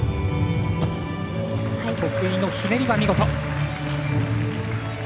得意のひねりは、見事！